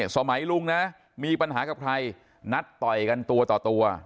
สมัยลุงนะมีปัญหากับใครนัดต่อยกันตัวต่อตัว